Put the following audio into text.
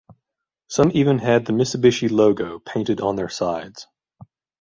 Some even had the Mitsubishi logo painted on their sides.